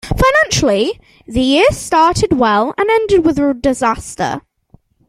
Financially, the year started well and ended with a disaster.